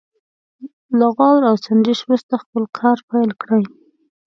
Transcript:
له غور او سنجش وروسته خپل کار پيل کړي.